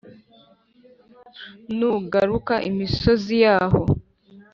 N ugaruka imisozi yaho